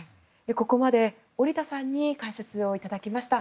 ここまで織田さんに解説をいただきました。